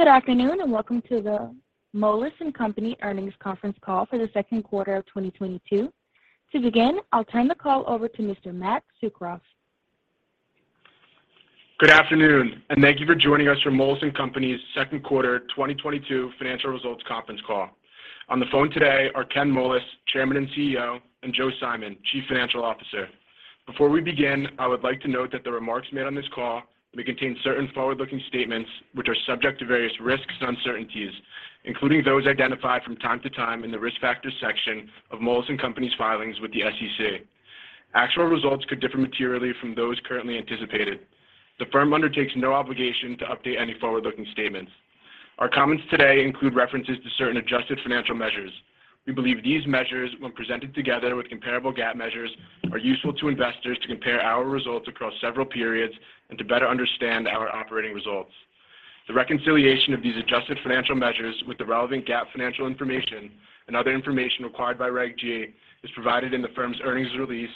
Good afternoon, and welcome to the Moelis & Company earnings conference call for the second quarter of 2022. To begin, I'll turn the call over to Mr. Matt Tsukroff. Good afternoon, and thank you for joining us for Moelis & Company's second quarter 2022 financial results conference call. On the phone today are Ken Moelis, Chairman and CEO, and Joe Simon, Chief Financial Officer. Before we begin, I would like to note that the remarks made on this call may contain certain forward-looking statements which are subject to various risks and uncertainties, including those identified from time to time in the Risk Factors section of Moelis & Company's filings with the SEC. Actual results could differ materially from those currently anticipated. The firm undertakes no obligation to update any forward-looking statements. Our comments today include references to certain adjusted financial measures. We believe these measures, when presented together with comparable GAAP measures, are useful to investors to compare our results across several periods and to better understand our operating results. The reconciliation of these adjusted financial measures with the relevant GAAP financial information and other information required by Regulation G is provided in the firm's earnings release,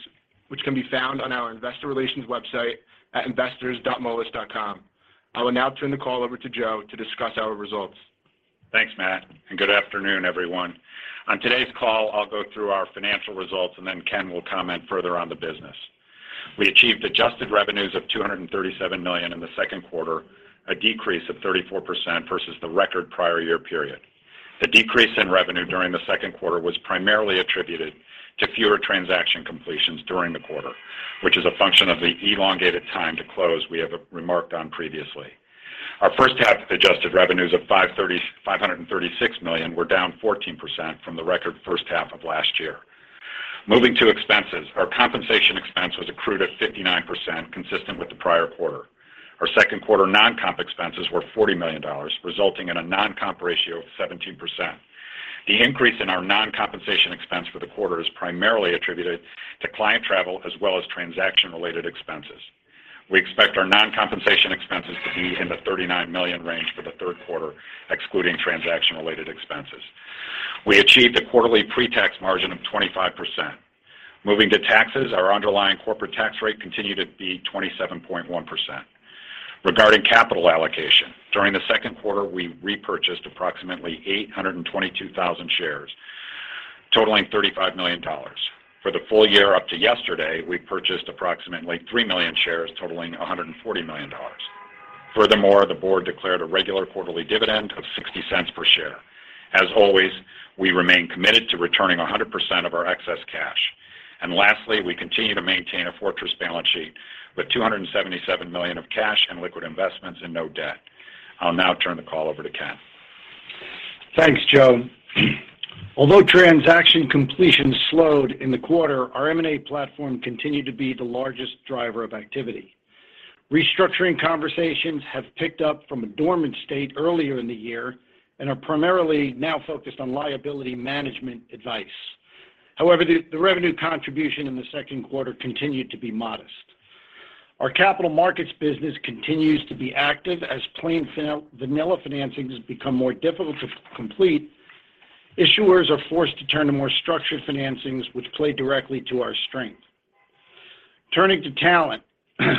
which can be found on our investor relations website at investors.moelis.com. I will now turn the call over to Joe to discuss our results. Thanks, Matt, and good afternoon, everyone. On today's call, I'll go through our financial results, and then Ken will comment further on the business. We achieved adjusted revenues of $237 million in the second quarter, a decrease of 34% versus the record prior year period. The decrease in revenue during the second quarter was primarily attributed to fewer transaction completions during the quarter, which is a function of the elongated time to close we have remarked on previously. Our first half adjusted revenues of $536 million were down 14% from the record first half of last year. Moving to expenses, our compensation expense was accrued at 59%, consistent with the prior quarter. Our second quarter non-comp expenses were $40 million, resulting in a non-comp ratio of 17%. The increase in our non-compensation expense for the quarter is primarily attributed to client travel as well as transaction-related expenses. We expect our non-compensation expenses to be in the $39 million range for the third quarter, excluding transaction-related expenses. We achieved a quarterly pre-tax margin of 25%. Moving to taxes, our underlying corporate tax rate continued to be 27.1%. Regarding capital allocation, during the second quarter, we repurchased approximately 822,000 shares, totaling $35 million. For the full year up to yesterday, we purchased approximately 3 million shares totaling $140 million. Furthermore, the board declared a regular quarterly dividend of $0.60 per share. As always, we remain committed to returning 100% of our excess cash. Lastly, we continue to maintain a fortress balance sheet with $277 million of cash and liquid investments and no debt. I'll now turn the call over to Ken. Thanks, Joe. Although transaction completions slowed in the quarter, our M&A platform continued to be the largest driver of activity. Restructuring conversations have picked up from a dormant state earlier in the year and are primarily now focused on liability management advice. However, the revenue contribution in the second quarter continued to be modest. Our capital markets business continues to be active as plain vanilla financings become more difficult to complete, issuers are forced to turn to more structured financings which play directly to our strength. Turning to talent,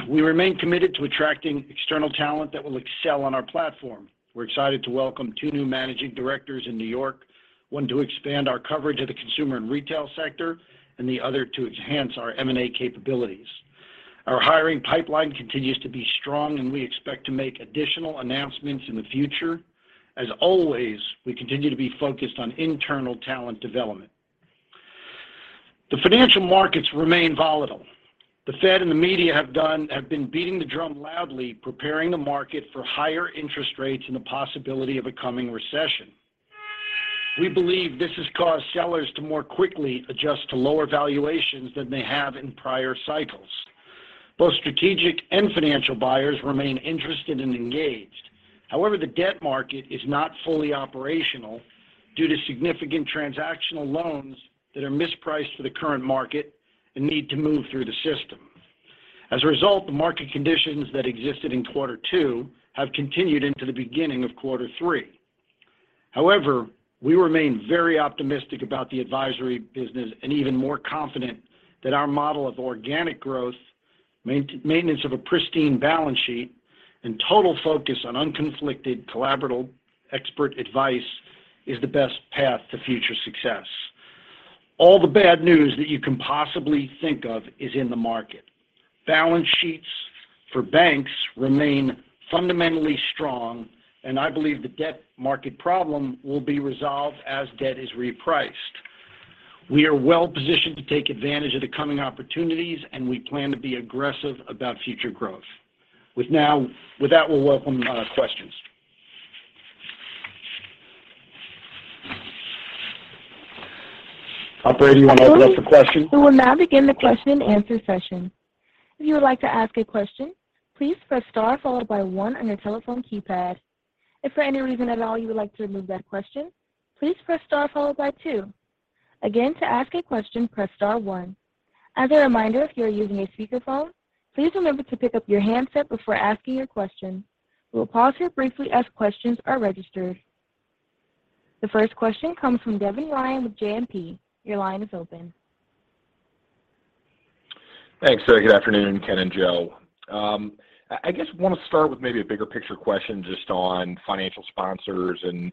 we remain committed to attracting external talent that will excel on our platform. We're excited to welcome two new managing directors in New York, one to expand our coverage of the consumer and retail sector, and the other to enhance our M&A capabilities. Our hiring pipeline continues to be strong, and we expect to make additional announcements in the future. As always, we continue to be focused on internal talent development. The financial markets remain volatile. The Fed and the media have been beating the drum loudly, preparing the market for higher interest rates and the possibility of a coming recession. We believe this has caused sellers to more quickly adjust to lower valuations than they have in prior cycles. Both strategic and financial buyers remain interested and engaged. However, the debt market is not fully operational due to significant transactional loans that are mispriced for the current market and need to move through the system. As a result, the market conditions that existed in quarter two have continued into the beginning of quarter three. However, we remain very optimistic about the advisory business and even more confident that our model of organic growth, maintenance of a pristine balance sheet, and total focus on unconflicted, collaborative, expert advice is the best path to future success. All the bad news that you can possibly think of is in the market. Balance sheets for banks remain fundamentally strong, and I believe the debt market problem will be resolved as debt is repriced. We are well-positioned to take advantage of the coming opportunities, and we plan to be aggressive about future growth. With that, we'll welcome questions. Operator, you want to address the questions? We will now begin the question and answer session. If you would like to ask a question, please press star followed by one on your telephone keypad. If for any reason at all you would like to remove that question, please press star followed by two. Again, to ask a question, press star one. As a reminder, if you are using a speakerphone, please remember to pick up your handset before asking your question. We will pause here briefly as questions are registered. The first question comes from Devin Ryan with JMP. Your line is open. Thanks. Good afternoon, Ken and Joe. I guess I want to start with maybe a bigger picture question just on financial sponsors and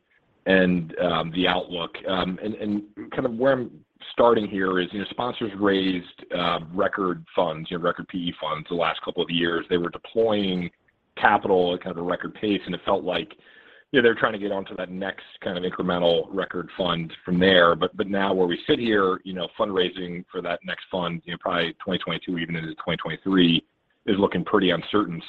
the outlook. Kind of where I'm starting here is, you know, sponsors raised record funds, you know, record PE funds the last couple of years. They were deploying capital at kind of a record pace, and it felt like, you know, they're trying to get on to that next kind of incremental record fund from there. Now where we sit here, you know, fundraising for that next fund, you know, probably 2022, even into 2023, is looking pretty uncertain.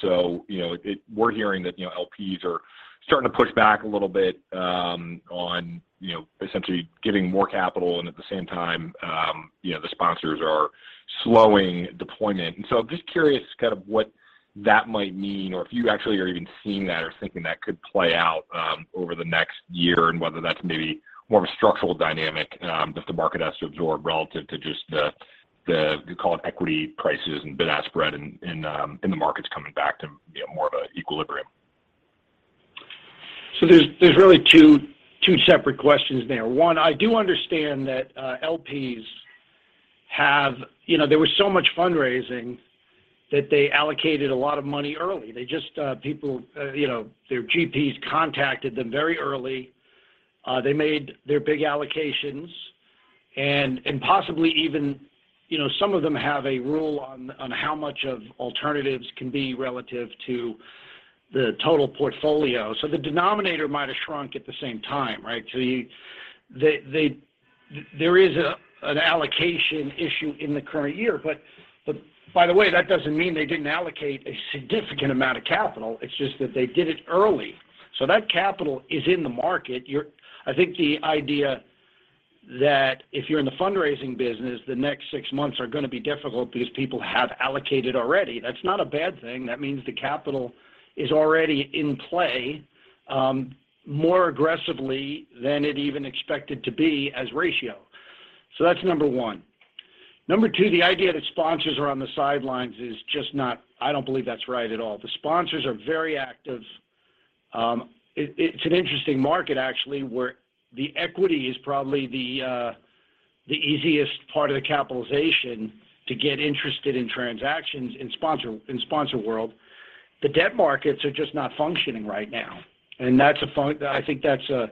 You know, we're hearing that, you know, LPs are starting to push back a little bit on, you know, essentially giving more capital, and at the same time, you know, the sponsors are slowing deployment. I'm just curious kind of what that might mean or if you actually are even seeing that or thinking that could play out over the next year and whether that's maybe more of a structural dynamic that the market has to absorb relative to just the call it equity prices and bid-ask spread and the markets coming back to, you know, more of an equilibrium. There's really two separate questions there. One, I do understand that LPs have. You know, there was so much fundraising that they allocated a lot of money early. They just people you know their GPs contacted them very early. They made their big allocations. Possibly even, you know, some of them have a rule on how much of alternatives can be relative to the total portfolio. The denominator might have shrunk at the same time, right? There is an allocation issue in the current year. By the way, that doesn't mean they didn't allocate a significant amount of capital. It's just that they did it early. That capital is in the market. I think the idea that if you're in the fundraising business, the next six months are gonna be difficult because people have allocated already. That's not a bad thing. That means the capital is already in play, more aggressively than it even expected to be as ratio. That's number one. Number two, the idea that sponsors are on the sidelines is just not, I don't believe that's right at all. The sponsors are very active. It's an interesting market actually, where the equity is probably the easiest part of the capitalization to get interested in transactions in sponsor world. The debt markets are just not functioning right now. That's a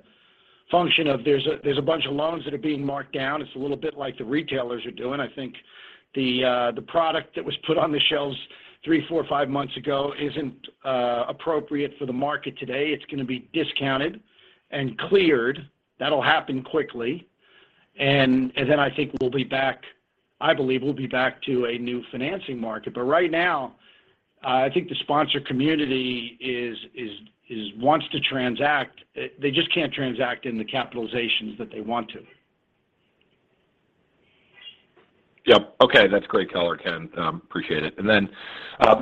function of there's a bunch of loans that are being marked down. It's a little bit like the retailers are doing. I think the product that was put on the shelves three, four, five months ago isn't appropriate for the market today. It's gonna be discounted and cleared. That'll happen quickly. I think we'll be back, I believe we'll be back to a new financing market. But right now, I think the sponsor community wants to transact. They just can't transact in the capitalizations that they want to. Yep. Okay. That's great color, Ken. Appreciate it. Then,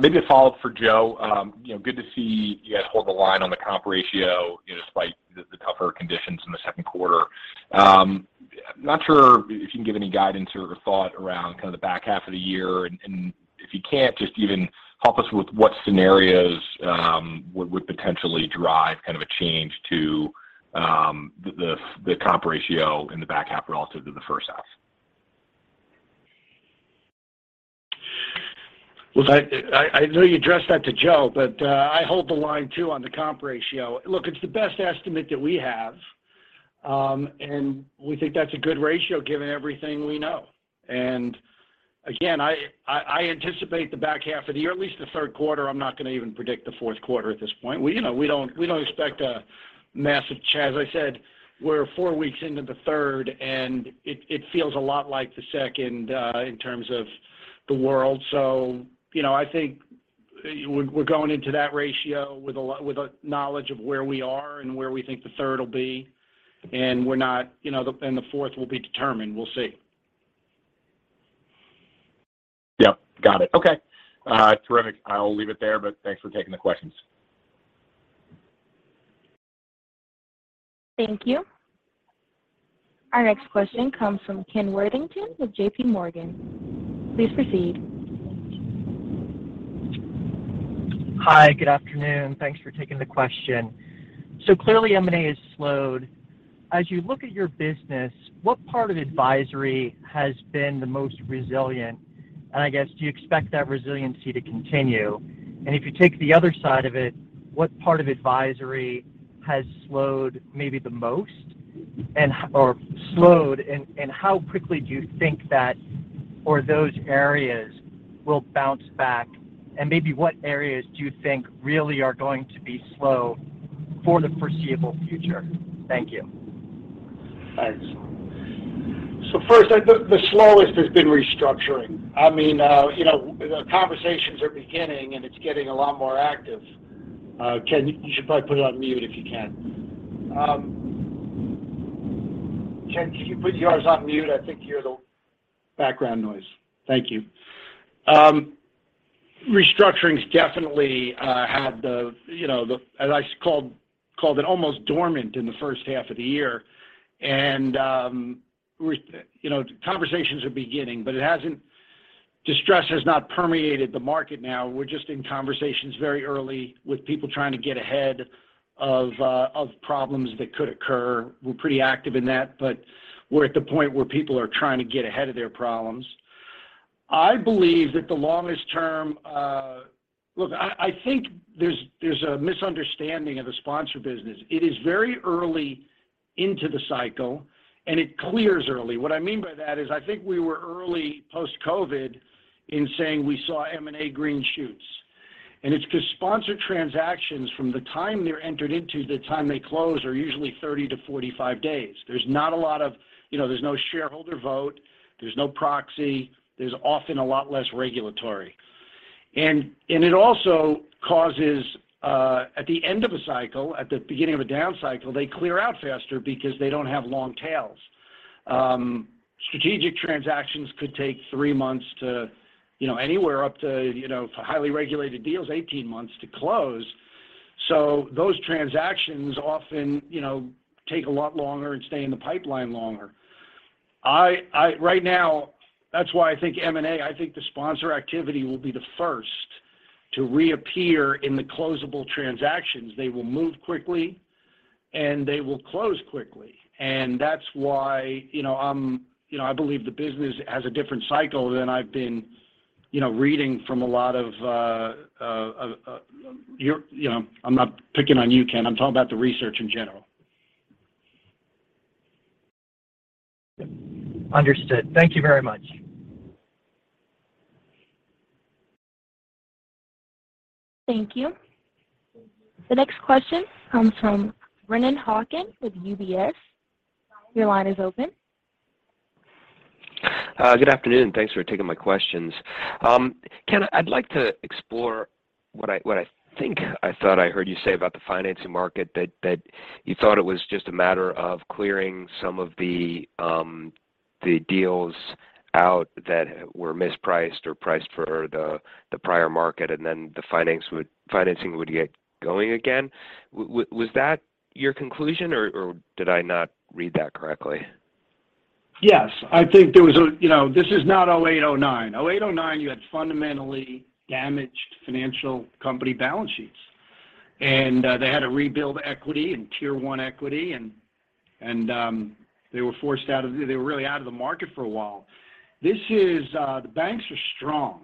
maybe a follow-up for Joe. You know, good to see you guys hold the line on the comp ratio, you know, despite the tougher conditions in the second quarter. Not sure if you can give any guidance or thought around kind of the back half of the year. If you can't, just even help us with what scenarios would potentially drive kind of a change to the comp ratio in the back half relative to the first half. Well, I know you addressed that to Joe, but I hold the line too on the comp ratio. Look, it's the best estimate that we have. We think that's a good ratio given everything we know. Again, I anticipate the back half of the year, at least the third quarter. I'm not gonna even predict the fourth quarter at this point. You know, we don't expect a massive change. As I said, we're four weeks into the third, and it feels a lot like the second in terms of the world. You know, I think we're going into that ratio with a knowledge of where we are and where we think the third will be. We're not, you know, and the fourth will be determined. We'll see. Yep. Got it. Okay. Terrific. I'll leave it there, but thanks for taking the questions. Thank you. Our next question comes from Ken Worthington with JPMorgan. Please proceed. Hi. Good afternoon. Thanks for taking the question. Clearly, M&A has slowed. As you look at your business, what part of advisory has been the most resilient? I guess, do you expect that resiliency to continue? If you take the other side of it, what part of advisory has slowed maybe the most, and how quickly do you think that or those areas will bounce back? Maybe what areas do you think really are going to be slow for the foreseeable future? Thank you. Thanks. First, the slowest has been restructuring. I mean, you know, the conversations are beginning, and it's getting a lot more active. Ken, you should probably put it on mute if you can. Ken, can you put yours on mute? I think you hear the background noise. Thank you. Restructuring's definitely had the, you know, the as I called it almost dormant in the first half of the year. Conversations are beginning, but it hasn't. Distress has not permeated the market now. We're just in conversations very early with people trying to get ahead of problems that could occur. We're pretty active in that, but we're at the point where people are trying to get ahead of their problems. I believe that the longest term. Look, I think there's a misunderstanding of the sponsor business. It is very early into the cycle, and it clears early. What I mean by that is, I think we were early post-COVID in saying we saw M&A green shoots. It's 'cause sponsor transactions from the time they're entered into to the time they close are usually 30-45 days. There's not a lot of, you know, there's no shareholder vote, there's no proxy, there's often a lot less regulatory. It also causes at the end of a cycle, at the beginning of a down cycle, they clear out faster because they don't have long tails. Strategic transactions could take three months to, you know, anywhere up to, you know, for highly regulated deals, 18 months to close. Those transactions often, you know, take a lot longer and stay in the pipeline longer. Right now, that's why I think M&A, I think the sponsor activity will be the first to reappear in the closable transactions. They will move quickly, and they will close quickly. That's why, you know, you know, I believe the business has a different cycle than I've been, you know, reading from a lot of you know, I'm not picking on you, Ken. I'm talking about the research in general. Understood. Thank you very much. Thank you. The next question comes from Brennan Hawken with UBS. Your line is open. Good afternoon. Thanks for taking my questions. Ken, I'd like to explore what I think I heard you say about the financing market, that you thought it was just a matter of clearing some of the deals out that were mispriced or priced for the prior market, and then financing would get going again. Was that your conclusion, or did I not read that correctly? Yes. I think you know, this is not 2008-2009. 2008-2009, you had fundamentally damaged financial company balance sheets. They had to rebuild equity and Tier 1 equity, and they were forced out of the market for a while. They were really out of the market for a while. This is, the banks are strong.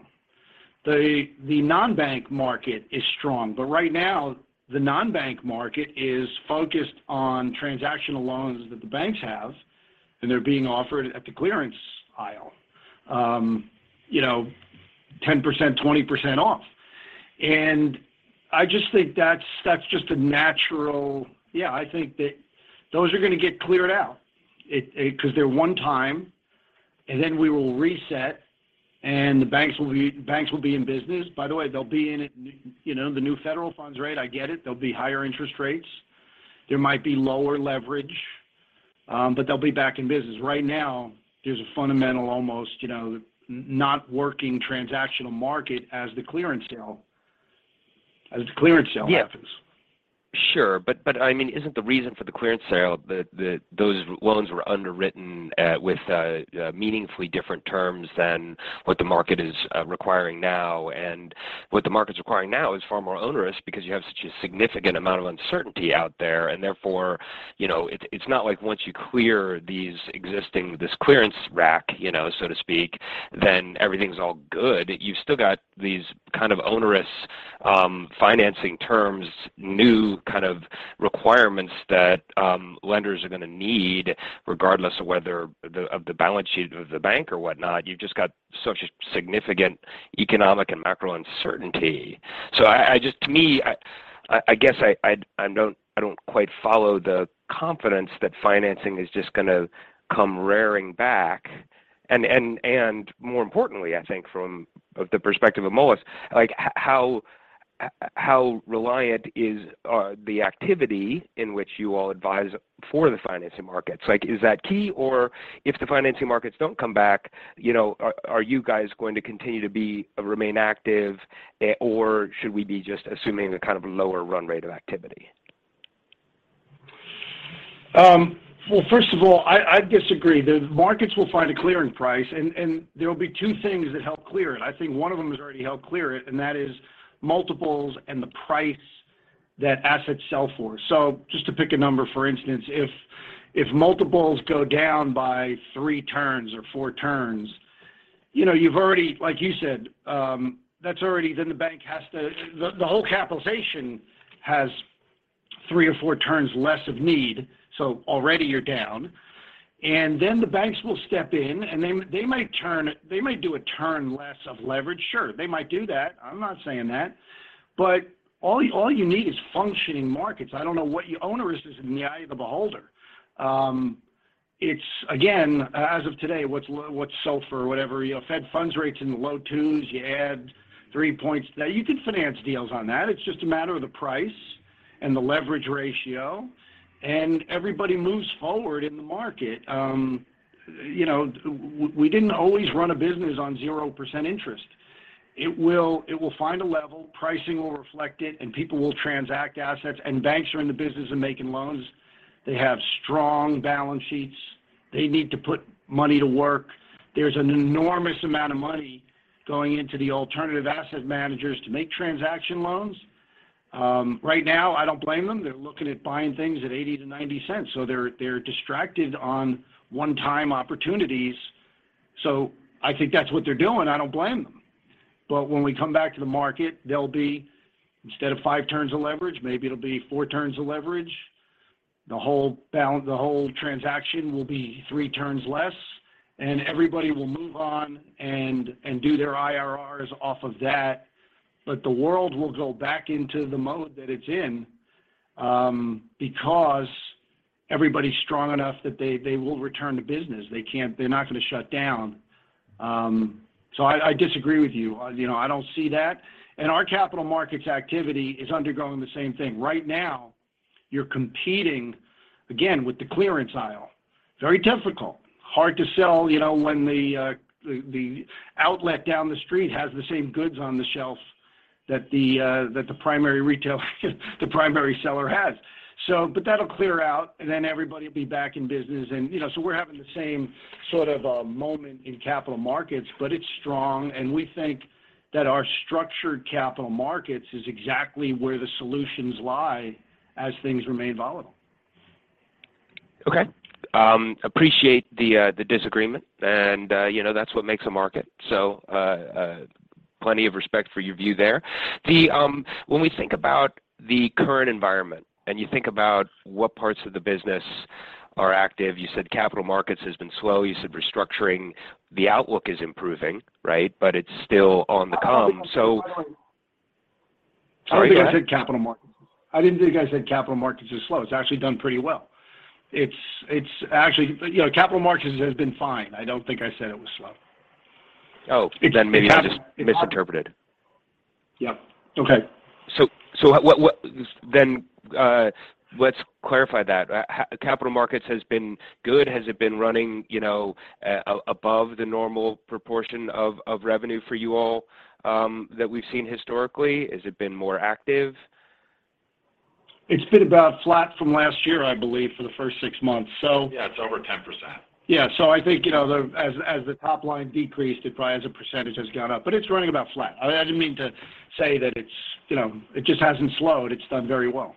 The non-bank market is strong, but right now, the non-bank market is focused on transactional loans that the banks have, and they're being offered at the clearance aisle, you know, 10%, 20% off. I just think that's just a natural. Yeah, I think that those are gonna get cleared out. It 'cause they're one-time, and then we will reset, and the banks will be in business. By the way, they'll be in it, you know, the new federal funds rate, I get it. There'll be higher interest rates. There might be lower leverage, but they'll be back in business. Right now, there's a fundamental almost, you know, not working transactional market as the clearance sale happens. Yeah. Sure, but I mean, isn't the reason for the clearance sale that those loans were underwritten with meaningfully different terms than what the market is requiring now? What the market's requiring now is far more onerous because you have such a significant amount of uncertainty out there, and therefore, you know, it's not like once you clear these existing, this clearance rack, you know, so to speak, then everything's all good. You've still got these kind of onerous financing terms, new kind of requirements that lenders are gonna need regardless of whether of the balance sheet of the bank or whatnot. You've just got such a significant economic and macro uncertainty. I just to me, I guess I don't quite follow the confidence that financing is just gonna come rearing back. More importantly, I think from the perspective of Moelis, like how reliant is the activity in which you all advise for the financing markets? Like, is that key? Or if the financing markets don't come back, you know, are you guys going to continue to be remain active or should we be just assuming a kind of a lower run rate of activity? Well, first of all, I disagree. The markets will find a clearing price, and there will be two things that help clear it. I think one of them has already helped clear it, and that is multiples and the price that assets sell for. Just to pick a number, for instance, if multiples go down by three turns or four turns, you know, you've already, like you said, that's already then the bank has to. The whole capitalization has three or four turns less of need, so already you're down. The banks will step in, and they might do a turn less of leverage. Sure, they might do that. I'm not saying that. All you need is functioning markets. I don't know what you. Onerous is in the eye of the beholder. It's again, as of today, what's SOFR, whatever, you know, Fed funds rates in the low 2s, you add 3 points. Now, you could finance deals on that. It's just a matter of the price and the leverage ratio, and everybody moves forward in the market. You know, we didn't always run a business on 0% interest. It will find a level, pricing will reflect it, and people will transact assets. Banks are in the business of making loans. They have strong balance sheets. They need to put money to work. There's an enormous amount of money going into the alternative asset managers to make transaction loans. Right now I don't blame them. They're looking at buying things at $0.80-$0.90. So they're distracted on one-time opportunities. I think that's what they're doing. I don't blame them. When we come back to the market, they'll be, instead of five turns of leverage, maybe it'll be four turns of leverage. The whole transaction will be three turns less, and everybody will move on and do their IRR off of that. The world will go back into the mode that it's in, because everybody's strong enough that they will return to business. They can't. They're not gonna shut down. I disagree with you on. You know, I don't see that. Our capital markets activity is undergoing the same thing. Right now, you're competing again with the clearance aisle. Very difficult. Hard to sell, you know, when the outlet down the street has the same goods on the shelf that the primary retailer, the primary seller has. That'll clear out, and then everybody will be back in business and, you know, so we're having the same sort of a moment in capital markets, but it's strong and we think that our structured capital markets is exactly where the solutions lie as things remain volatile. Okay. Appreciate the disagreement and, you know, that's what makes a market. Plenty of respect for your view there. When we think about the current environment and you think about what parts of the business are active, you said capital markets has been slow. You said restructuring, the outlook is improving, right? But it's still on the come. I don't think I said capital markets. Sorry, go ahead. I didn't think I said capital markets are slow. It's actually done pretty well. It's actually, you know, capital markets has been fine. I don't think I said it was slow. Oh, maybe I just misinterpreted. Yeah. Okay. Let's clarify that. Capital markets has been good. Has it been running, you know, above the normal proportion of revenue for you all, that we've seen historically? Has it been more active? It's been about flat from last year, I believe, for the first six months. Yeah, it's over 10%. Yeah. I think, you know, as the top line decreased, it probably as a percentage has gone up, but it's running about flat. I didn't mean to say that it's. You know, it just hasn't slowed. It's done very well.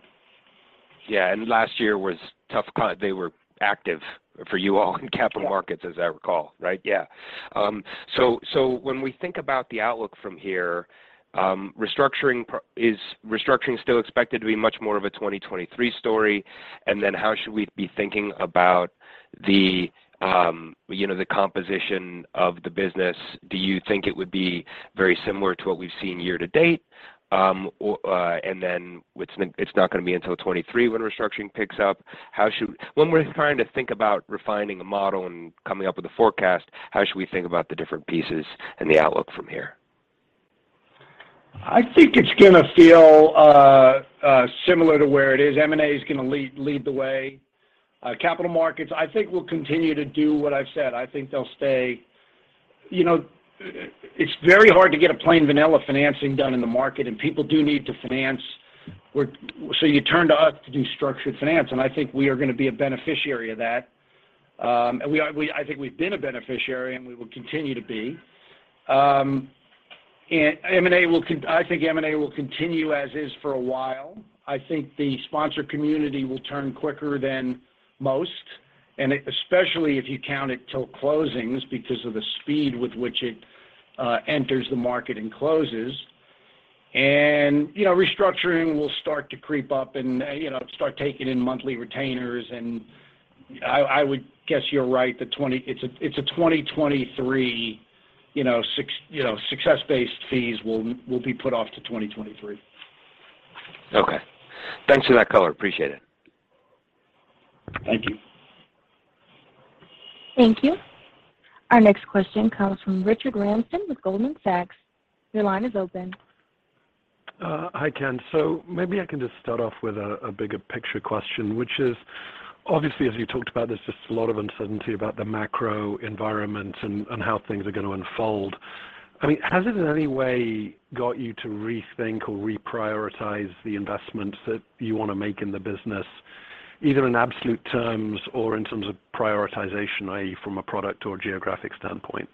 Yeah, last year was tough 'cause they were active for you all in capital markets, as I recall. Right? Yeah. So when we think about the outlook from here, restructuring is still expected to be much more of a 2023 story? How should we be thinking about the, you know, the composition of the business? Do you think it would be very similar to what we've seen year to date? Or, it's not gonna be until 2023 when restructuring picks up. When we're trying to think about refining a model and coming up with a forecast, how should we think about the different pieces and the outlook from here? I think it's gonna feel similar to where it is. M&A is gonna lead the way. Capital markets, I think will continue to do what I've said. I think they'll stay. You know, it's very hard to get a plain vanilla financing done in the market, and people do need to finance, so you turn to us to do structured finance, and I think we are gonna be a beneficiary of that. I think we've been a beneficiary, and we will continue to be. M&A will continue as is for a while. I think the sponsor community will turn quicker than most, and especially if you count it till closings because of the speed with which it enters the market and closes. You know, restructuring will start to creep up and you know start taking in monthly retainers. I would guess you're right, it's a 2023, you know, six, you know, success-based fees will be put off to 2023. Okay. Thanks for that color. Appreciate it. Thank you. Thank you. Our next question comes from Richard Ramsden with Goldman Sachs. Your line is open. Hi, Ken. Maybe I can just start off with a bigger picture question, which is, obviously, as you talked about, there's just a lot of uncertainty about the macro environment and how things are gonna unfold. I mean, has it in any way got you to rethink or reprioritize the investments that you wanna make in the business, either in absolute terms or in terms of prioritization, i.e., from a product or geographic standpoint?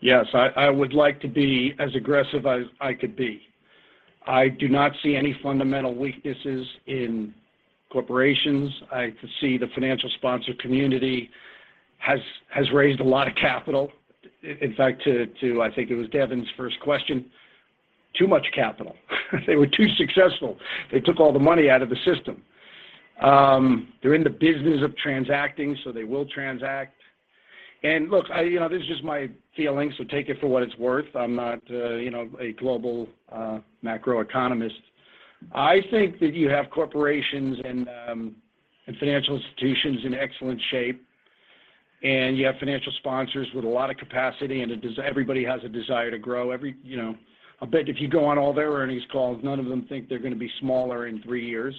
Yes. I would like to be as aggressive as I could be. I do not see any fundamental weaknesses in corporations. I see the financial sponsor community has raised a lot of capital. In fact, to, I think it was Devin's first question, too much capital. They were too successful. They took all the money out of the system. They're in the business of transacting, so they will transact. Look, you know, this is just my feeling, so take it for what it's worth. I'm not, you know, a global macro economist. I think that you have corporations and financial institutions in excellent shape, and you have financial sponsors with a lot of capacity, and everybody has a desire to grow. Every. You know, I'll bet if you go on all their earnings calls, none of them think they're gonna be smaller in three years.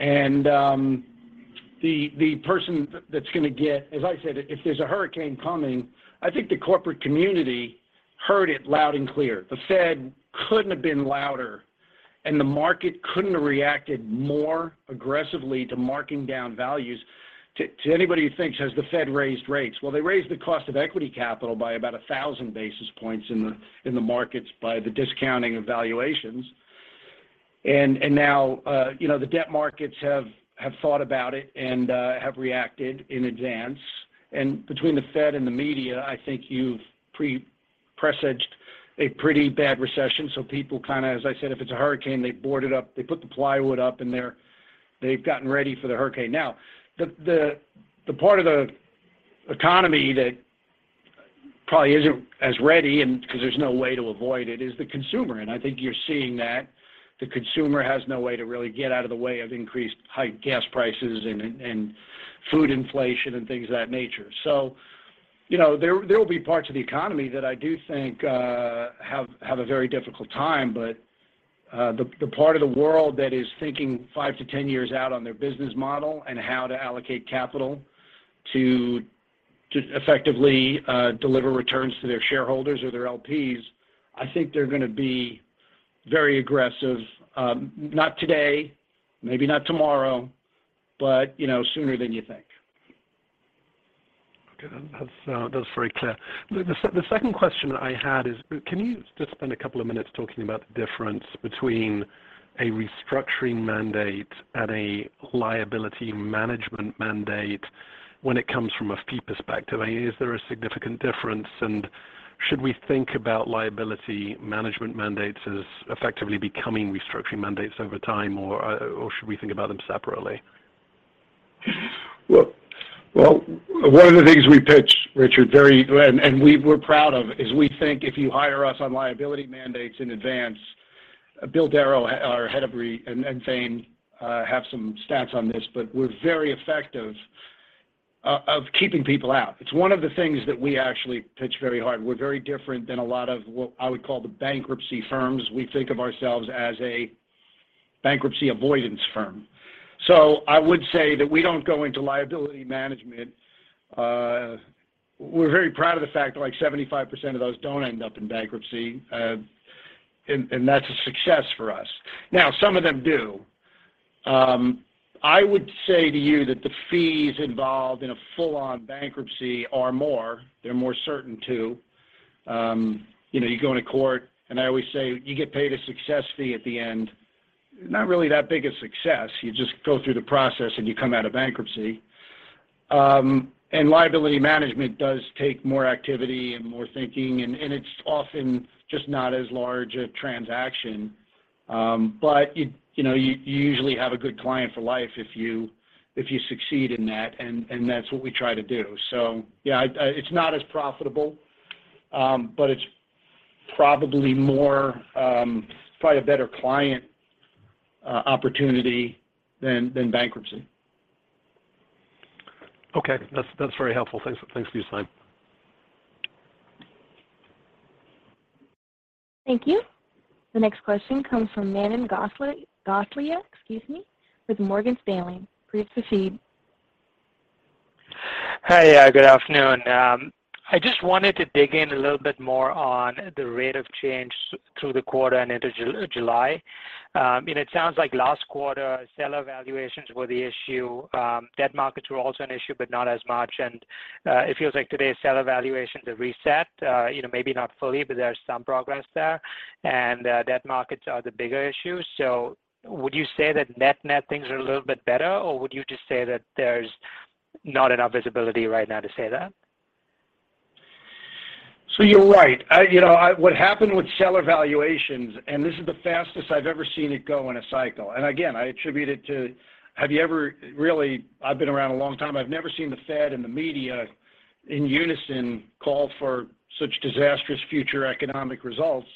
As I said, if there's a hurricane coming, I think the corporate community heard it loud and clear. The Fed couldn't have been louder. The market couldn't have reacted more aggressively to marking down values to anybody who thinks, has the Fed raised rates? Well, they raised the cost of equity capital by about 1,000 basis points in the markets by the discounting of valuations. Now, you know, the debt markets have thought about it and have reacted in advance. Between the Fed and the media, I think you've presaged a pretty bad recession, so people kinda, as I said, if it's a hurricane, they board it up. They put the plywood up, and they've gotten ready for the hurricane. Now, the part of the economy that probably isn't as ready and, 'cause there's no way to avoid it, is the consumer. I think you're seeing that the consumer has no way to really get out of the way of increased high gas prices and food inflation and things of that nature. You know, there will be parts of the economy that I do think have a very difficult time, but the part of the world that is thinking five to 10 years out on their business model and how to allocate capital to effectively deliver returns to their shareholders or their LPs, I think they're gonna be very aggressive. Not today, maybe not tomorrow, but, you know, sooner than you think. Okay. That's very clear. The second question I had is, can you just spend a couple of minutes talking about the difference between a restructuring mandate and a liability management mandate when it comes from a fee perspective? I mean, is there a significant difference, and should we think about liability management mandates as effectively becoming restructuring mandates over time, or should we think about them separately? One of the things we pitch, Richard, very, and we're proud of is we think if you hire us on liability mandates in advance, Bill Derrough, our Head of Re, and team have some stats on this, but we're very effective of keeping people out. It's one of the things that we actually pitch very hard. We're very different than a lot of what I would call the bankruptcy firms. We think of ourselves as a bankruptcy avoidance firm. I would say that we don't go into liability management. We're very proud of the fact that, like, 75% of those don't end up in bankruptcy, and that's a success for us. Now, some of them do. I would say to you that the fees involved in a full-on bankruptcy are more. They're more certain, too. You know, you go into court, and I always say, "You get paid a success fee at the end." Not really that big a success. You just go through the process, and you come out of bankruptcy. Liability management does take more activity and more thinking, and it's often just not as large a transaction. You know, you usually have a good client for life if you succeed in that, and that's what we try to do. Yeah, it's not as profitable, but it's probably more, probably a better client opportunity than bankruptcy. Okay. That's very helpful. Thanks. Thanks for your time. Thank you. The next question comes from Manan Gosalia, excuse me, with Morgan Stanley. Please proceed. Hi. Good afternoon. I just wanted to dig in a little bit more on the rate of change through the quarter and into July. It sounds like last quarter, seller valuations were the issue. Debt markets were also an issue but not as much. It feels like today's seller valuations have reset, you know, maybe not fully, but there is some progress there. Debt markets are the bigger issue. Would you say that net-net things are a little bit better, or would you just say that there's not enough visibility right now to say that? You're right. You know, what happened with seller valuations, and this is the fastest I've ever seen it go in a cycle. Again, I attribute it to have you ever really I've been around a long time. I've never seen the Fed and the media in unison call for such disastrous future economic results,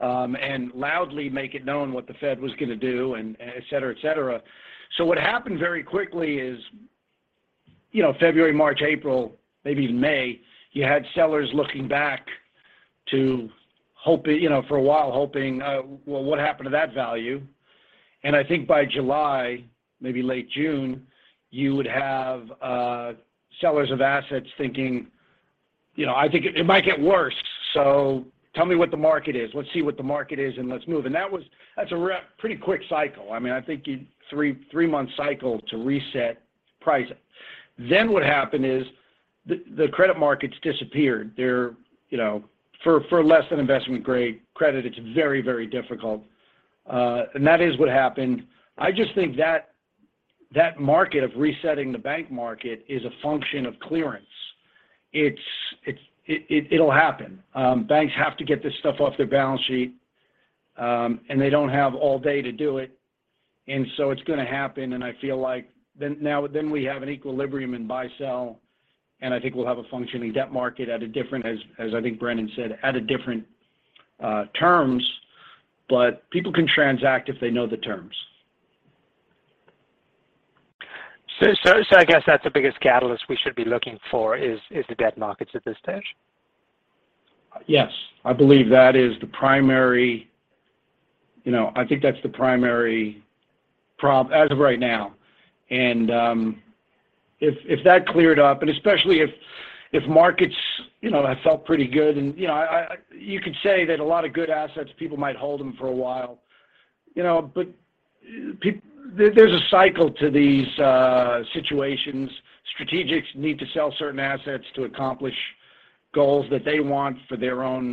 and loudly make it known what the Fed was gonna do and, etc., etc. What happened very quickly is, you know, February, March, April, maybe even May, you had sellers looking back to hope, you know, for a while hoping, well, what happened to that value? I think by July, maybe late June, you would have sellers of assets thinking, you know, "I think it might get worse. So tell me what the market is. Let's see what the market is, and let's move." That was a pretty quick cycle. I mean, I think three-month cycle to reset pricing. What happened is the credit markets disappeared. There are, you know, for less than investment-grade credit, it's very difficult. That is what happened. I just think that market of resetting the bank market is a function of clearance. It'll happen. Banks have to get this stuff off their balance sheet, and they don't have all day to do it, and so it's gonna happen, and I feel like then now we have an equilibrium in buy-sell, and I think we'll have a functioning debt market at a different, as I think Brennan said, at a different terms. People can transact if they know the terms. I guess that's the biggest catalyst we should be looking for is the debt markets at this stage? Yes. I believe that is the primary, you know, I think that's the primary as of right now. If that cleared up, and especially if markets, you know, have felt pretty good and, you know, you could say that a lot of good assets, people might hold them for a while, you know. But there's a cycle to these situations. Strategics need to sell certain assets to accomplish goals that they want for their own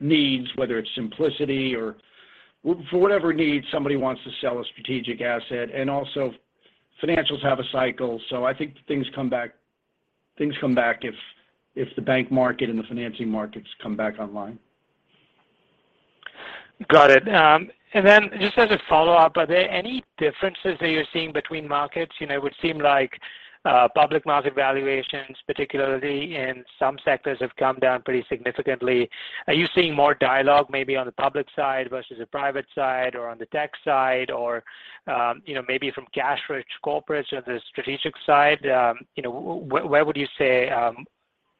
needs, whether it's simplicity or for whatever need, somebody wants to sell a strategic asset. Also financials have a cycle, so I think things come back if the bank market and the financing markets come back online. Got it. Just as a follow-up, are there any differences that you're seeing between markets? You know, it would seem like public market valuations, particularly in some sectors, have come down pretty significantly. Are you seeing more dialogue maybe on the public side versus the private side or on the tech side or, you know, maybe from cash-rich corporates or the strategic side? You know, where would you say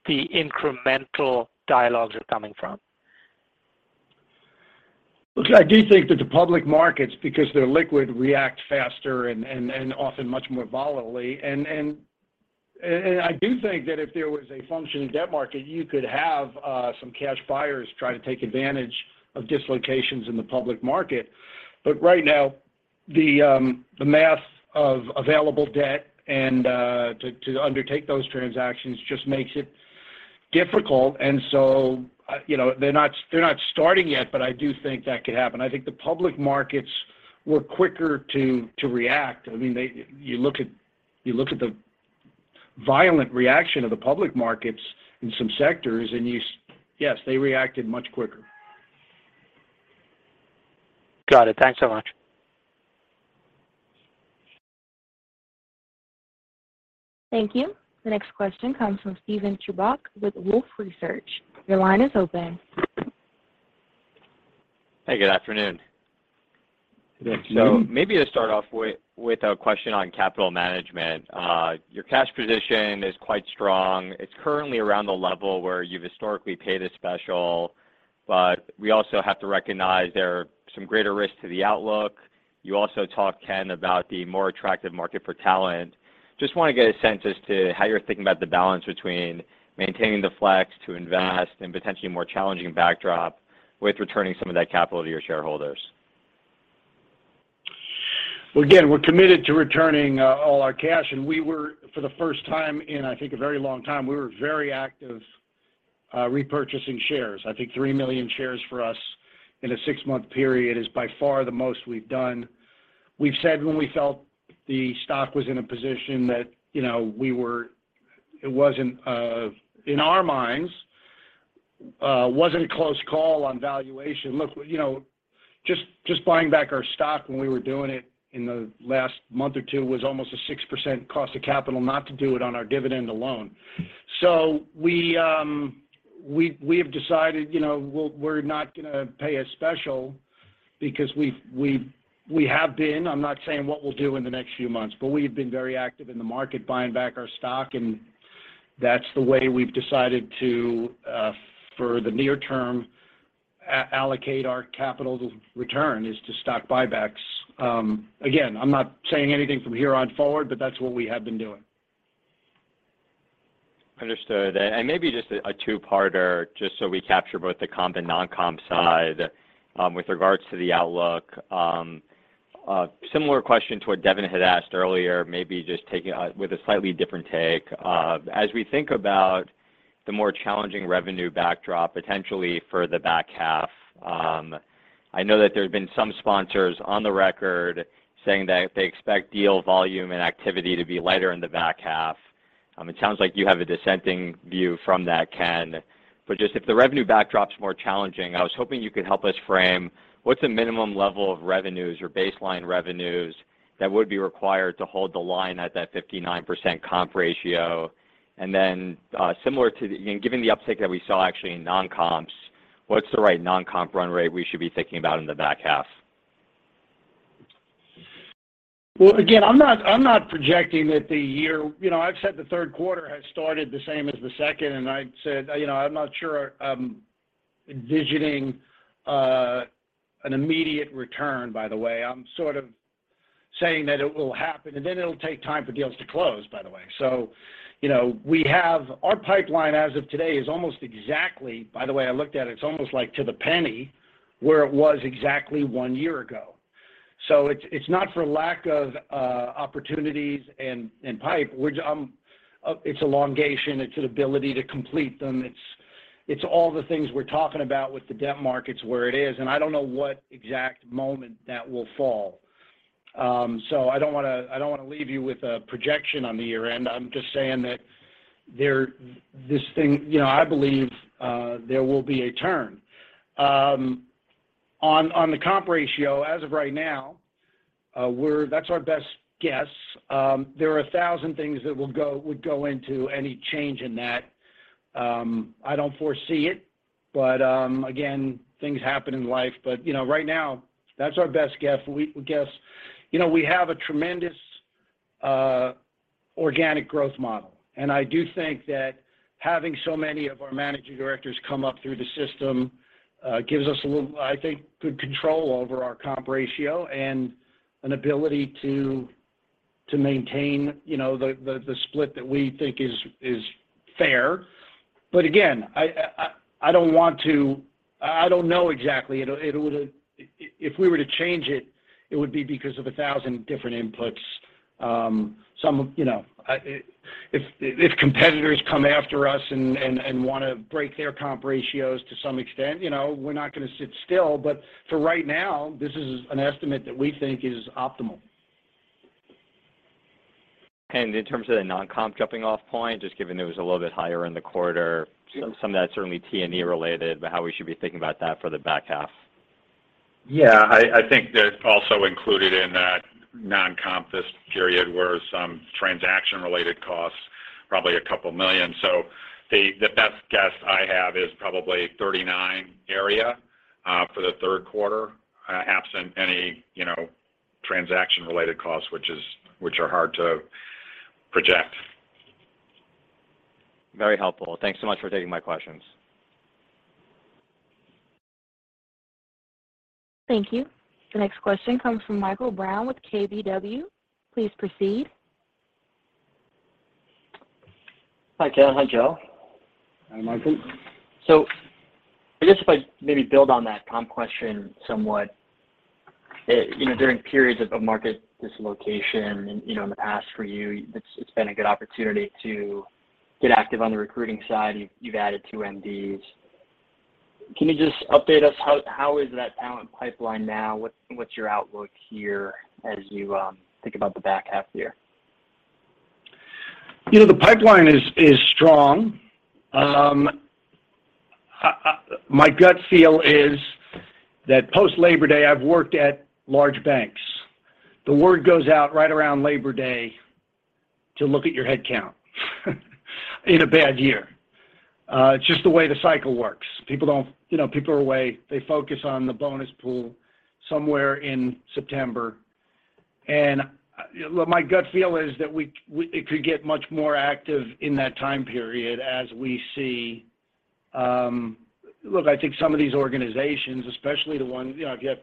the incremental dialogues are coming from? Look, I do think that the public markets, because they're liquid, react faster and often much more volatilely. I do think that if there was a functioning debt market, you could have some cash buyers try to take advantage of dislocations in the public market. Right now, the mass of available debt and to undertake those transactions just makes it difficult. You know, they're not starting yet, but I do think that could happen. I think the public markets were quicker to react. I mean, you look at the violent reaction of the public markets in some sectors, and yes, they reacted much quicker. Got it. Thanks so much. Thank you. The next question comes from Steven Chubak with Wolfe Research. Your line is open. Hey, good afternoon. Good afternoon. Maybe to start off with a question on capital management. Your cash position is quite strong. It's currently around the level where you've historically paid a special, but we also have to recognize there are some greater risks to the outlook. You also talked, Ken, about the more attractive market for talent. Just wanna get a sense as to how you're thinking about the balance between maintaining the flex to invest and potentially more challenging backdrop with returning some of that capital to your shareholders. Well, again, we're committed to returning all our cash. We were for the first time in, I think, a very long time, very active repurchasing shares. I think 3 million shares for us in a six-month period is by far the most we've done. We've said when we felt the stock was in a position that, you know, it wasn't in our minds a close call on valuation. Look, you know, just buying back our stock when we were doing it in the last month or two was almost a 6% cost of capital not to do it on our dividend alone. We have decided, you know, we're not gonna pay a special because we've we have been. I'm not saying what we'll do in the next few months, but we've been very active in the market buying back our stock, and that's the way we've decided to for the near term allocate our capital to return is to stock buybacks. Again, I'm not saying anything from here on forward, but that's what we have been doing. Understood. Maybe just a two-parter, just so we capture both the comp and non-comp side, with regards to the outlook. Similar question to what Devin had asked earlier, maybe just with a slightly different take. As we think about the more challenging revenue backdrop, potentially for the back half, I know that there have been some sponsors on the record saying that they expect deal volume and activity to be lighter in the back half. It sounds like you have a dissenting view from that, Ken. Just if the revenue backdrop's more challenging, I was hoping you could help us frame what's the minimum level of revenues or baseline revenues that would be required to hold the line at that 59% comp ratio? Then, similar to the. Given the uptick that we saw actually in non-comps, what's the right non-comp run rate we should be thinking about in the back half? Well, again, I'm not projecting that the year. You know, I've said the third quarter has started the same as the second, and I'd said, you know, I'm not sure I'm envisioning an immediate return, by the way. I'm sort of saying that it will happen, and then it'll take time for deals to close, by the way. You know, we have our pipeline as of today is almost exactly, by the way, I looked at it's almost like to the penny, where it was exactly one year ago. It's not for lack of opportunities and pipeline. It's elongation, it's the inability to complete them. It's all the things we're talking about with the debt markets where it is, and I don't know what exact moment that will fall. I don't wanna leave you with a projection on the year-end. I'm just saying that this thing. You know, I believe there will be a turn. On the comp ratio, as of right now, that's our best guess. There are a thousand things that would go into any change in that. I don't foresee it, but again, things happen in life. You know, right now, that's our best guess. We guess. You know, we have a tremendous organic growth model. I do think that having so many of our managing directors come up through the system gives us a little, I think, good control over our comp ratio and an ability to maintain, you know, the split that we think is fair. Again, I don't want to. I don't know exactly. If we were to change it would be because of a thousand different inputs. Some of, you know, if competitors come after us and wanna break their comp ratios to some extent, you know, we're not gonna sit still. For right now, this is an estimate that we think is optimal. In terms of the non-comp jumping off point, just given it was a little bit higher in the quarter. Yeah. Some of that's certainly T&E related, but how we should be thinking about that for the back half. I think that also included in that non-comp this period were some transaction-related costs, probably $2 million. The best guess I have is probably 39 area for the third quarter, absent any, you know, transaction-related costs, which are hard to project. Very helpful. Thanks so much for taking my questions. Thank you. The next question comes from Michael Brown with KBW. Please proceed. Hi, Ken. Hi, Joe. Hi, Michael. I guess if I maybe build on that comp question somewhat. You know, during periods of market dislocation and, you know, in the past for you, it's been a good opportunity to get active on the recruiting side. You've added two MDs. Can you just update us how is that talent pipeline now? What's your outlook here as you think about the back half of the year? You know, the pipeline is strong. My gut feel is that post Labor Day, I've worked at large banks. The word goes out right around Labor Day to look at your head count in a bad year. It's just the way the cycle works. People don't. You know, people are away. They focus on the bonus pool somewhere in September. Look, my gut feel is that it could get much more active in that time period as we see. Look, I think some of these organizations, especially the one, you know, if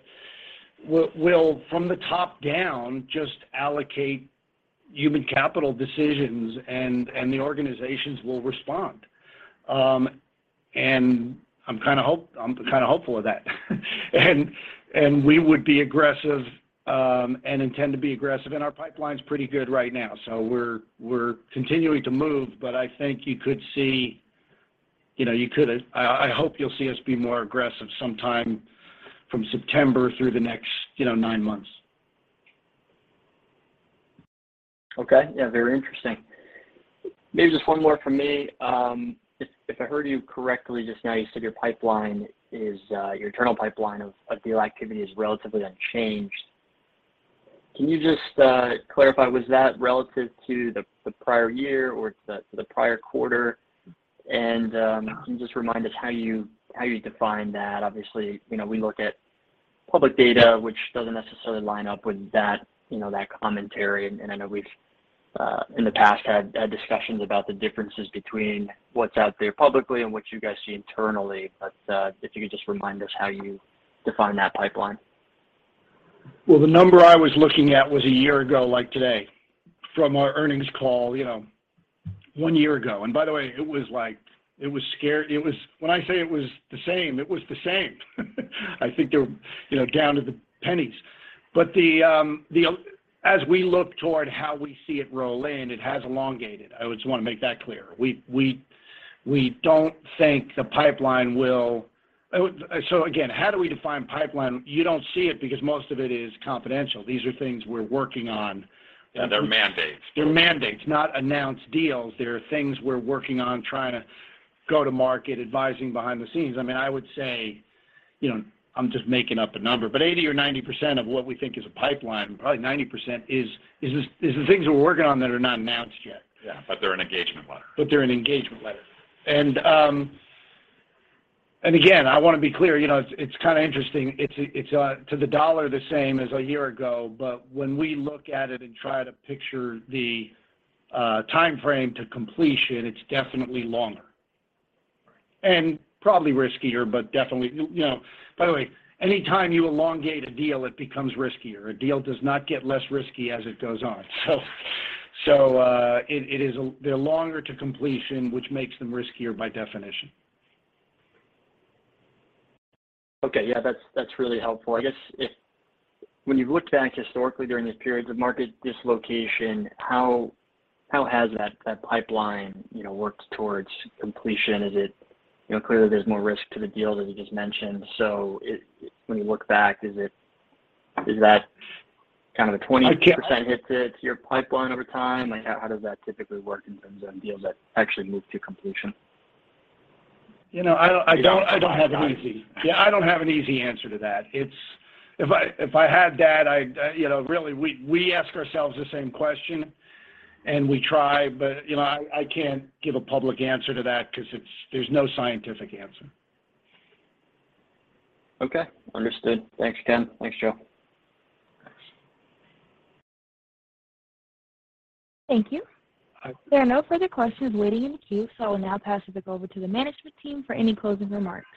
you have. Will from the top down just allocate human capital decisions and the organizations will respond. I'm kinda hopeful of that. We would be aggressive and intend to be aggressive, and our pipeline's pretty good right now. We're continuing to move, but I think you could see, you know, I hope you'll see us be more aggressive sometime from September through the next, you know, nine months. Okay. Yeah, very interesting. Maybe just one more from me. If I heard you correctly just now, you said your pipeline is your internal pipeline of deal activity is relatively unchanged. Can you just clarify, was that relative to the prior year or to the prior quarter? Can you just remind us how you define that? Obviously, you know, we look at public data, which doesn't necessarily line up with that, you know, that commentary. I know we've in the past had discussions about the differences between what's out there publicly and what you guys see internally. If you could just remind us how you define that pipeline. Well, the number I was looking at was a year ago, like today, from our earnings call, you know, one year ago. By the way, when I say it was the same, it was the same. I think they're, you know, down to the pennies. As we look toward how we see it roll in, it has elongated. I just wanna make that clear. We don't think the pipeline will. Again, how do we define pipeline? You don't see it because most of it is confidential. These are things we're working on. Yeah, they're mandates. They're mandates, not announced deals. They're things we're working on trying to go to market, advising behind the scenes. I mean, I would say, you know, I'm just making up a number. 80% or 90% of what we think is a pipeline, probably 90% is the things we're working on that are not announced yet. Yeah, they're an engagement letter. They're an engagement letter. Again, I wanna be clear, you know, it's to the dollar, the same as a year ago. When we look at it and try to picture the timeframe to completion, it's definitely longer. Probably riskier, but definitely you know. By the way, any time you elongate a deal, it becomes riskier. A deal does not get less risky as it goes on. They're longer to completion, which makes them riskier by definition. Okay. Yeah, that's really helpful. I guess if when you've looked back historically during these periods of market dislocation, how has that pipeline, you know, worked towards completion? Is it, you know, clearly there's more risk to the deal, as you just mentioned. So when you look back, is it, is that kind of the 20% hit to your pipeline over time? Like, how does that typically work in terms of deals that actually move to completion? You know, I don't have an easy. Yeah, I don't have an easy answer to that. It's if I had that, I'd, you know, really, we ask ourselves the same question, and we try, but, you know, I can't give a public answer to that 'cause it's, there's no scientific answer. Okay. Understood. Thanks, Ken. Thanks, Joe. Thanks. Thank you. There are no further questions waiting in the queue, so I will now pass the call over to the management team for any closing remarks.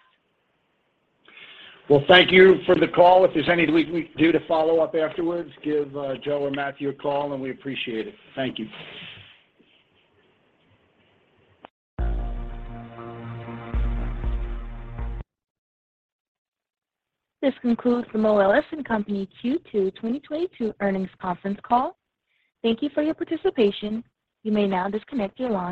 Well, thank you for the call. If there's anything we can do to follow up afterwards, give Joe or Matthew a call, and we appreciate it. Thank you. This concludes the Moelis & Company Q2 2022 earnings conference call. Thank you for your participation. You may now disconnect your line.